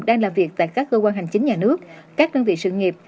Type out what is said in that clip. đang làm việc tại các cơ quan hành chính nhà nước các đơn vị sự nghiệp